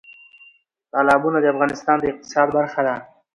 تالابونه د افغانستان د اقتصاد برخه ده.